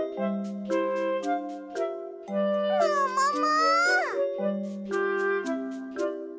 ももも！